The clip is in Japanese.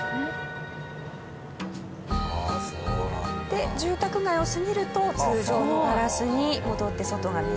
で住宅街を過ぎると通常のガラスに戻って外が見えるんですね。